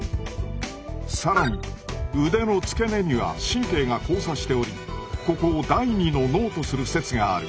更に腕の付け根には神経が交差しておりここを「第２の脳」とする説がある。